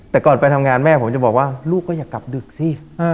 แต่ก่อนไปทำงานแม่ผมจะบอกว่าลูกก็อย่ากลับดึกสิ